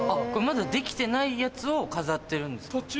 これまだ出来てないやつを飾ってるんですか？